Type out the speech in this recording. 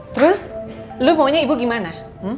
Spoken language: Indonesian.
terus lu maunya ibu gimana